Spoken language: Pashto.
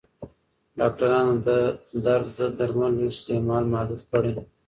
ډاکټران د درد ضد درملو استعمال محدود کړی.